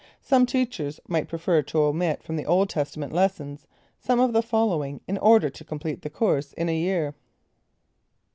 Some teachers might prefer to omit from the Old Testament lessons, some of the following in order to complete the course in a year.